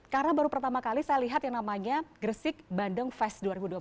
karena baru pertama kali saya lihat yang namanya gresik bandeng fest dua ribu dua puluh satu